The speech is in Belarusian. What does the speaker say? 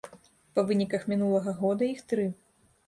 Па выніках мінулага года іх тры.